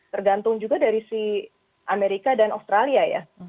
tergantung juga dari si amerika dan australia ya